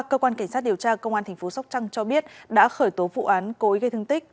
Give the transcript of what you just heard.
cơ quan cảnh sát điều tra công an tp sóc trăng cho biết đã khởi tố vụ án cố ý gây thương tích